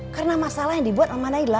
karena masalah yang dibuat sama aila